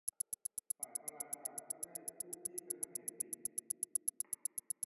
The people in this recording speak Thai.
ฝ่ายพระราชาก็ได้ผู้พี่เป็นมเหสี